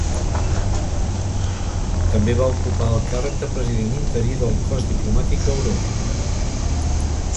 També va ocupar el càrrec de president interí del Cos Diplomàtic d'Europa.